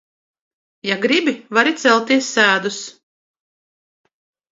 Ja gribi, vari celties sēdus.